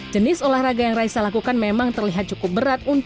jenis olahraga yang raisa lakukan memang terlihat cukup berat untuk orang awam